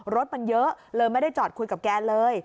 รถมันเยอะเลยไม่ได้จอดคุยกับแกเลย